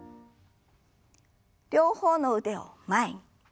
両方の腕を前に。